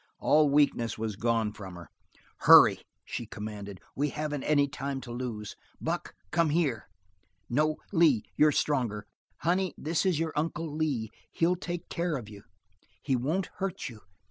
All weakness was gone from her. "Hurry!" she commanded. "We haven't any time to lose. Buck, come here! No, Lee, you're stronger. Honey, this is your Uncle Lee. He'll take care of you; he won't hurt you.